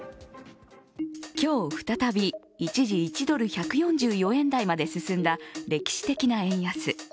今日再び１ドル＝１４４円台まで進んだ歴史的な円安。